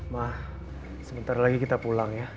mah sebentar lagi kita pulang ya